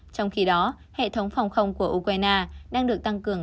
trong khi đó hệ thống phòng không của ukraine đang được tăng cường